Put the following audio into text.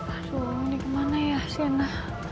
aduh ini kemana ya siana